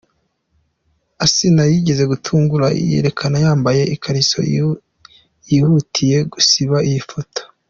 Asinah yigeze gutungura yiyerekana yambaye ikariso, yihutiye gusiba iyi foto.